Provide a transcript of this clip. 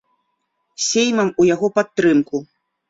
Сеймам у яго падтрымку.